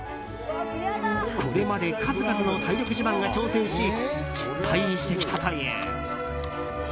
これまで数々の体力自慢が挑戦し失敗してきたという。